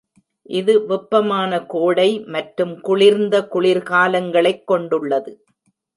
இது வெப்பமான கோடை மற்றும் குளிர்ந்த குளிர்காலங்களைக் கொண்டுள்ளது.